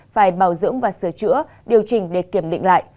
phải bảo dưỡng và sửa chữa điều chỉnh để kiểm định lại